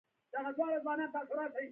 قبه په عربي کې ګنبدې ته وایي.